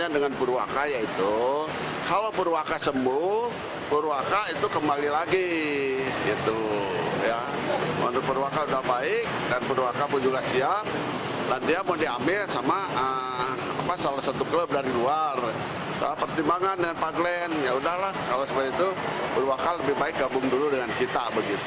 ya udahlah kalau seperti itu purwakayudi lebih baik gabung dulu dengan kita